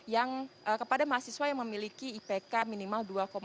yang kepada mahasiswa yang memiliki ipk minimal dua